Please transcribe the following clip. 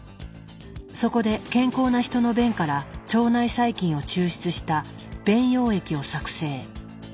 そこで健康な人の便から腸内細菌を抽出した「便溶液」を作製。